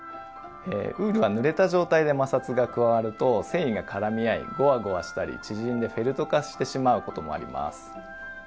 ウールはぬれた状態で摩擦が加わると繊維が絡み合いごわごわしたり縮んでフェルト化してしまうこともあります。